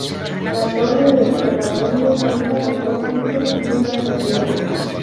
La torre del observatorio cuenta con dos pisos y una azotea.